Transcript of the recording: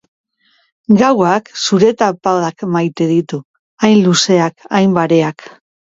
Gauak zure taupadak maite ditu, hain luzeak, hain bareak.